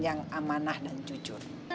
yang amanah dan jujur